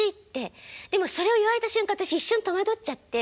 でもそれを言われた瞬間私一瞬戸惑っちゃって。